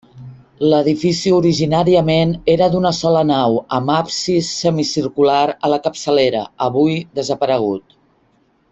L'edifici originàriament era d'una sola nau amb absis semicircular a la capçalera, avui desaparegut.